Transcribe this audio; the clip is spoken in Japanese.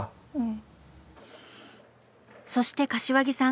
そして柏木さん